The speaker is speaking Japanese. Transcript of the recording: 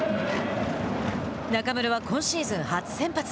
中村は今シーズン初先発。